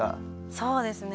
そうですね。